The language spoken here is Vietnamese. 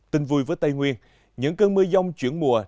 tình vui với tây nguyên những cơn mưa giông chuyển mùa